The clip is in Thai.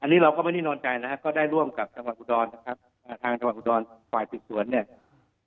อันนี้เราก็ไม่นินอนใจนะครับก็ได้ร่วมกับทางหวัดหูดอนฝ่ายศุกร์ส่วนเนี่ย